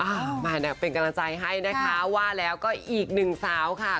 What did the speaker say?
มาเป็นกำลังใจให้นะคะว่าแล้วก็อีกหนึ่งสาวค่ะ